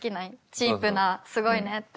チープな「すごいね」って。